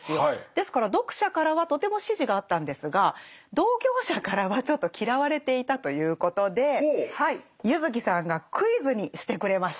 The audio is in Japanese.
ですから読者からはとても支持があったんですが同業者からはちょっと嫌われていたということで柚木さんがクイズにしてくれました。